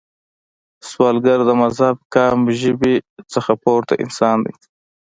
سوالګر د مذهب، قام، ژبې نه پورته انسان دی